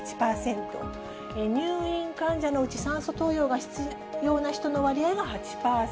入院患者のうち酸素投与が必要な人の割合が８％。